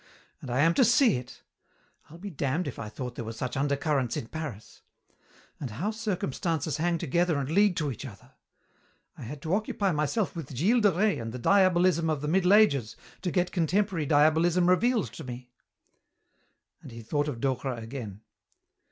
And I am to see it! I'll be damned if I thought there were such undercurrents in Paris. And how circumstances hang together and lead to each other! I had to occupy myself with Gilles de Rais and the diabolism of the Middle Ages to get contemporary diabolism revealed to me." And he thought of Docre again.